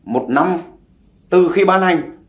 một năm từ khi ban hành